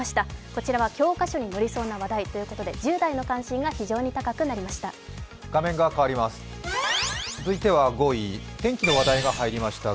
こちらは教科書に載りそうな話題ということで、１０代の関心が非常に高くなりました。